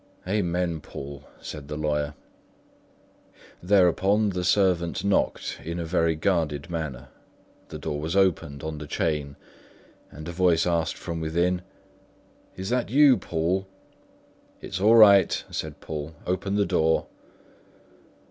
"Amen, Poole," said the lawyer. Thereupon the servant knocked in a very guarded manner; the door was opened on the chain; and a voice asked from within, "Is that you, Poole?" "It's all right," said Poole. "Open the door."